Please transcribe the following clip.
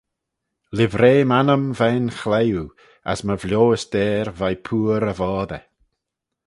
Livrey m'annym veih'n chliwe: as my vioys deyr veih pooar y voddey.